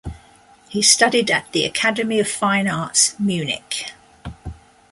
He studied at the Academy of Fine Arts, Munich.